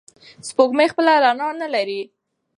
سپوږمۍ خپله رڼا نلري.